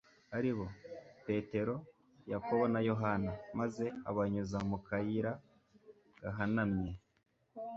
aribo Petero, Yakobo na Yohana; maze abanyuza mu kayira gahanamye,